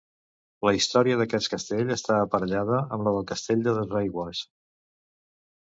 La història d'aquest castell està aparellada amb la del Castell de Dosaigües.